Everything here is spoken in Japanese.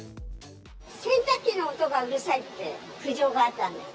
洗濯機の音がうるさいって苦情があったんです。